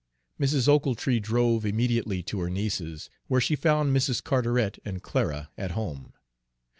Mrs. Ochiltree drove immediately to her niece's, where she found Mrs. Carteret and Clara at home.